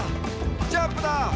ジャンプだ！」